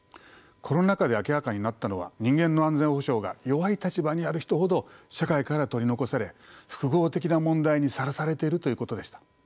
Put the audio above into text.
コロナ禍で明らかになったのは人間の安全保障が弱い立場にある人ほど社会から取り残され複合的な問題にさらされているということでした。